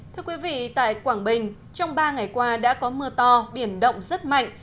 thưa quý vị tại quảng bình trong ba ngày qua đã có mưa to biển động rất mạnh